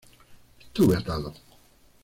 Estuve atado.